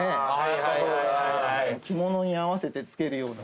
着物に合わせてつけるような。